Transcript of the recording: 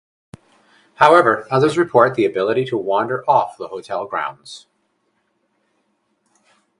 However, others report the ability to wander off the hotel grounds.